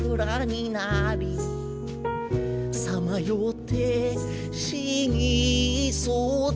「さまよって死にそうだ」